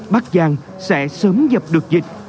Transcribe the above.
bắc giang sẽ sớm dập được dịch